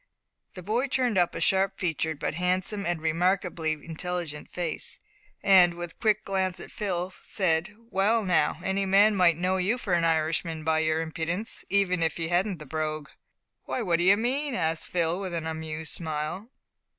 The boy turned up a sharp featured, but handsome and remarkably intelligent face, and, with a quick glance at Phil, said, "Well, now, any man might know you for an Irishman by your impudence, even if you hadn't the brogue." "Why, what do you mean?" asked Phil, with an amused smile.